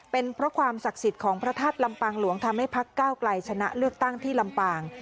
เป็นเพราะความศักดิ์สิทธิ์ของพระธาตุลำปางหลวงทำให้พักก้าวไกลชนะเลือกตั้งที่ลำปาง